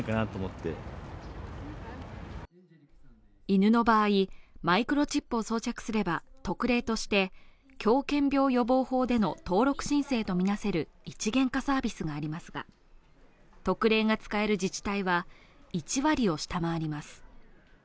犬の場合、マイクロチップを装着すれば、特例として狂犬病予防法での登録申請とみなせる一元化サービスがありますが、特例が使える自治体は、１割を下回ります。